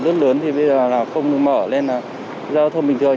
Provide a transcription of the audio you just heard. lớp lớn thì bây giờ là không được mở lên là giao thông bình thường